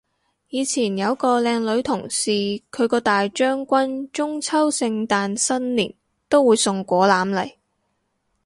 以前有個靚女同事，佢個大將軍中秋聖誕新年都會送果籃嚟